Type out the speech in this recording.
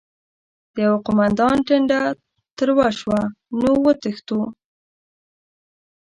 د يوه قوماندان ټنډه تروه شوه: نو وتښتو؟!